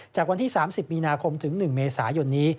จากวันที่๓๐มีนาคมถึง๑เมษายนนี้